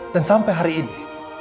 dan sampai hari ini